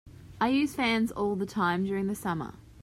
I use fans all the time during the summer